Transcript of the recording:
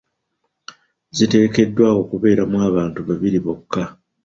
Ziteekeddwa okubeeramu abantu babiri bokka.